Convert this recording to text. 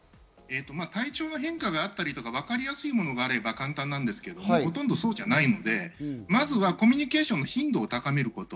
体調の変化があったり、わかりやすいものがあれば簡単なんですけれども、ほとんどそうじゃないので、まずはコミュニケーションの頻度を高めること。